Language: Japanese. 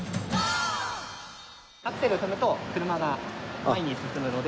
アクセルを踏むと車が前に進むので。